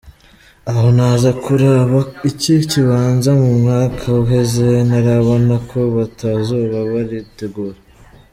Aho naza kuraba iki kibanza mu mwaka uheze, narabona ko batazoba baritegura.